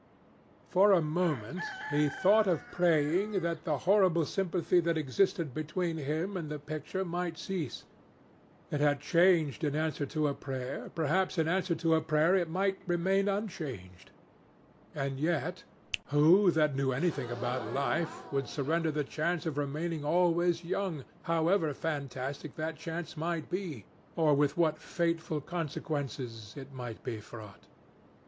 For a moment, he thought of praying that the horrible sympathy that existed between him and the picture might cease. It had changed in answer to a prayer; perhaps in answer to a prayer it might remain unchanged. And yet, who, that knew anything about life, would surrender the chance of remaining always young, however fantastic that chance might be, or with what fateful consequences it might be fraught?